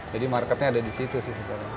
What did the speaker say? jadi marketnya ada di situ sih sekarang